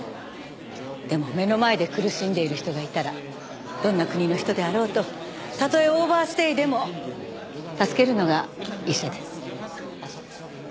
でも目の前で苦しんでいる人がいたらどんな国の人であろうとたとえオーバーステイでも助けるのが医者です。